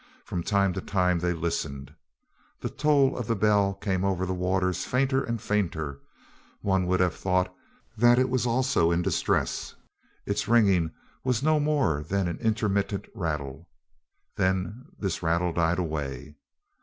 From time to time they listened. The toll of the bell came over the waters fainter and fainter; one would have thought that it also was in distress. Its ringing was no more than an intermittent rattle. Then this rattle died away.